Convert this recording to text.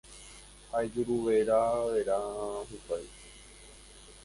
ha ijuruveravera hikuái.